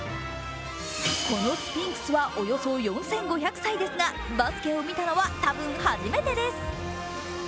このスフィンクスはおよそ４５００歳ですがバスケを見たのは多分初めてです。